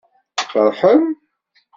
Tfeṛḥem?